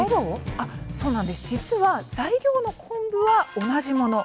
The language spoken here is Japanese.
実は材料の昆布は同じもの。